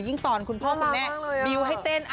ตอนคุณพ่อคุณแม่บิวให้เต้น